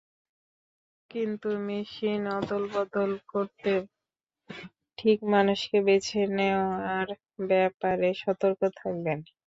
কিন্তু মেশিন অদলবদল করতে ঠিক মানুষকে বেছে নেওয়ার ব্যাপারে সতর্ক থাকবেন।